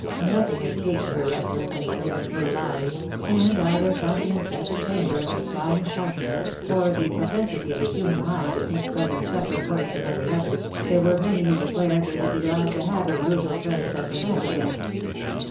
Nothing escaped her restless and malignant little eyes, and either from the incessant danger of her spying sharpness, or the propensity of the human mind to think pre sent suffering worse than every other, there were many who declared they would be glad to have her brutal predecessor back again.